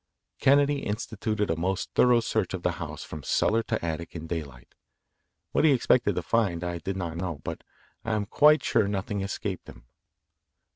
Kennedy instituted a most thorough search of the house from cellar to attic in daylight. What he expected to find, I did not know, but I am quite sure nothing escaped him.